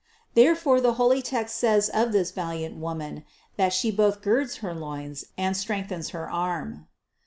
Therefore the holy text says of this valiant Woman, that She both girds her loins and strengthens her arm.